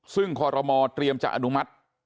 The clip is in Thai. ซึ่งคอรมอเตรียมจะอนุมัติ